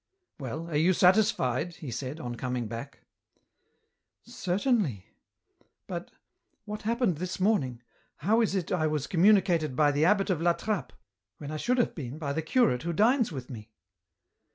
" Well, are you satisfied ?" he said, on coming back. " Certainly — but, what happened this morning, how is it I was communicated by the abbot of La Trappe, when I should have been by the curate who dines with me